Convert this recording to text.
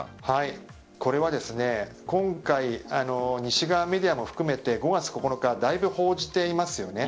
今回、西側メディアも含めて５月９日だいぶ報じていますよね。